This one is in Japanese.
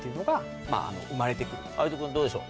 有田君どうでしょう？